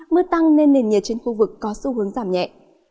mưa tăng nên nền nhiệt trên khu vực có xu hướng giảm nhẹ